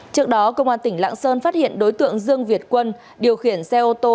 trước đó công an tỉnh lạng sơn phát hiện đối tượng dương việt quân điều khiển xe ô tô